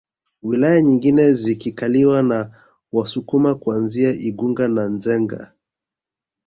Wilaya nyingine zikikaliwa na Wasukuma kuanzia Igunga na Nzega